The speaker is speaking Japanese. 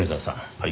はい。